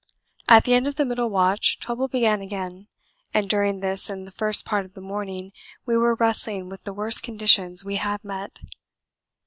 At the end of the middle watch trouble began again, and during this and the first part of the morning we were wrestling with the worst conditions we have met.